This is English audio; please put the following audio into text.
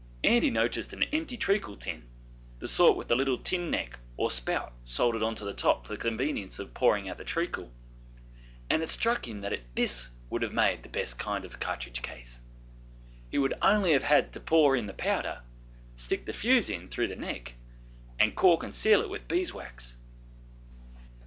Andy noticed an empty treacle tin the sort with the little tin neck or spout soldered on to the top for the convenience of pouring out the treacle and it struck him that this would have made the best kind of cartridge case: he would only have had to pour in the powder, stick the fuse in through the neck, and cork and seal it with bees' wax.